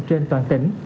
trên toàn tỉnh